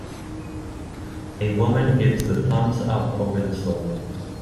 A woman gives the thumbs up over the slope